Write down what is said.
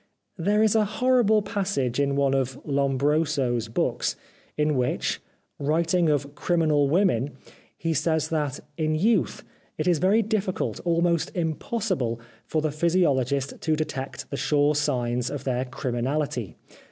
There is a horrible passage in one of Lombroso's books in which, writing of criminal women, he says that in youth it is very difficult, almost impossible, for the physiologist to detect the sure signs of their criminality.